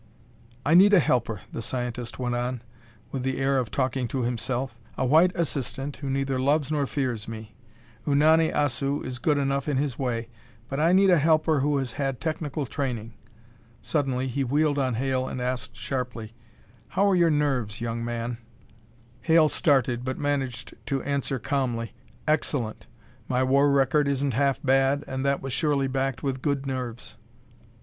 "I need a helper," the scientist went on, with the air of talking to himself. "A white assistant who neither loves nor fears me. Unani Assu is good enough in his way, but I need a helper who has had technical training." Suddenly he wheeled on Hale and asked sharply, "How are your nerves, young man?" Hale started, but managed to answer calmly. "Excellent. My war record isn't half bad, and that was surely backed with good nerves."